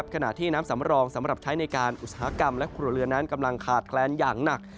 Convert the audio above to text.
ขณะที่น้ำสำรองสำหรับใช้ในการอุตสาหกรรมและครัวเรือนนั้นกำลังขาดแคลนอย่างหนัก